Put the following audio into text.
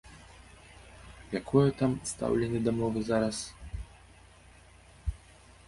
Якое там стаўленне да мовы зараз?